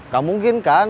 gak mungkin kan